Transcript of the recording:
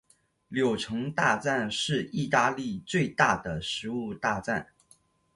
柳橙大战是义大利最大的食物大战。